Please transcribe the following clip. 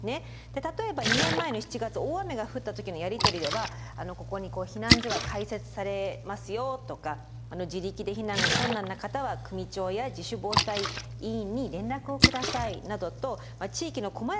例えば２年前の７月大雨が降った時のやり取りではここに避難所が開設されますよとか自力で避難が困難な方は組長や自主防災委員に連絡を下さいなどと地域のこまやかな情報が発信されていると。